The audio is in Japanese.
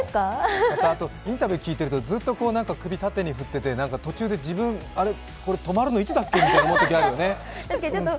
あと、インタビュー聞いてると、ずっと首、縦に振ってて途中で自分、あれ？止まるのいつだっけ？と思うときあるよね。